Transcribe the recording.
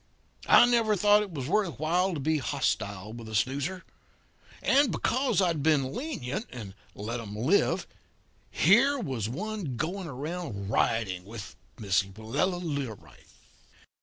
I never thought it was worth while to be hostile with a snoozer. And because I'd been lenient, and let 'em live, here was one going around riding with Miss Willella Learight!